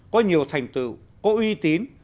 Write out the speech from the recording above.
có nhiều thành tựu có uy tín